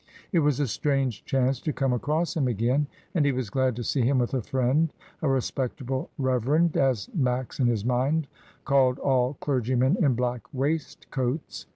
It was a strange chance to come across him again, and he was glad to see him with a friend, "a respectable reverend," as Max in his mind called all clergymen in black waistcoats.